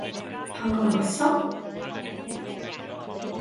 방금 봤어?